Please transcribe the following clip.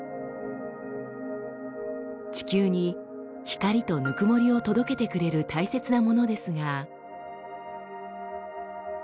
地球に光とぬくもりを届けてくれる大切なものですが。